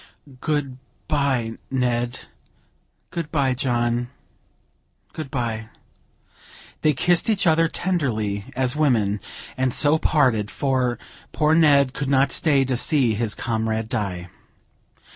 "Good bye, Ned." "Good bye, John, good bye!" They kissed each other, tenderly as women, and so parted, for poor Ned could not stay to see his comrade die.